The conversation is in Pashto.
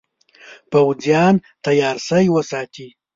پوځیان تیار سی وساتي.